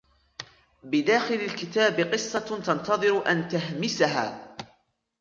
بداخل الكتاب قصة تنتظر أن تهمسها.